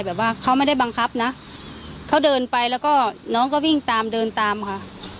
แบบว่าเขาไม่ได้บังคับนะเขาเดินไปแล้วก็น้องก็วิ่งตามเดินตามค่ะ